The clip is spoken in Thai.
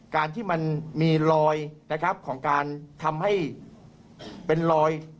การที่มันมีรอยนะครับของการทำให้เป็นรอย